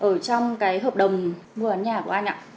ở trong cái hợp đồng mua bán nhà của anh ạ